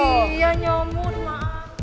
iya nyamun mak